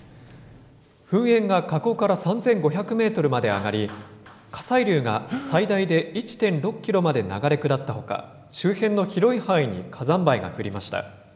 噴煙が火口から３５００メートルまで上がり、火砕流が最大で１．６キロまで流れ下ったほか、周辺の広い範囲に火山灰が降りました。